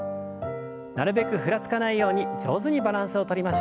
なるべくふらつかないように上手にバランスをとりましょう。